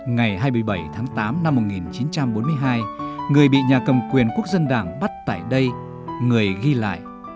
ngày hai mươi bảy tháng tám năm một nghìn chín trăm bốn mươi hai người bị nhà cầm quyền quốc dân đảng bắt tại đây người ghi lại